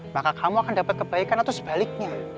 maka kamu akan dapat kebaikan atau sebaliknya